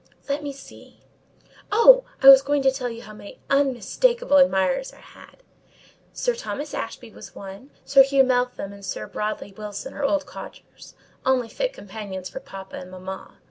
Let me see. Oh! I was going to tell you how many unmistakeable admirers I had:—Sir Thomas Ashby was one,—Sir Hugh Meltham and Sir Broadley Wilson are old codgers, only fit companions for papa and mamma.